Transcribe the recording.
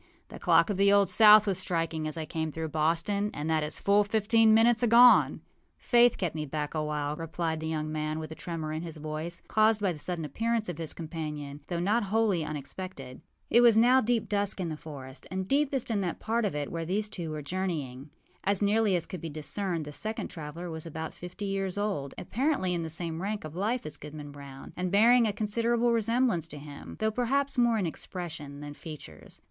âThe clock of the Old South was striking as I came through Boston, and that is full fifteen minutes agone.â âFaith kept me back a while,â replied the young man, with a tremor in his voice, caused by the sudden appearance of his companion, though not wholly unexpected. It was now deep dusk in the forest, and deepest in that part of it where these two were journeying. As nearly as could be discerned, the second traveller was about fifty years old, apparently in the same rank of life as Goodman Brown, and bearing a considerable resemblance to him, though perhaps more in expression than features.